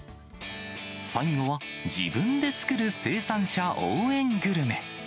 最後は自分で作る生産者応援グルメ。